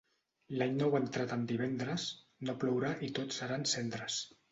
L'any nou entrat en divendres, no plourà i tot seran cendres.